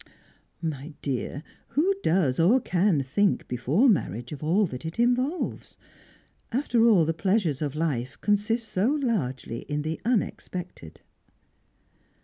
"My dear, who does, or can, think before marriage of all that it involves? After all, the pleasures of life consist so largely in the unexpected."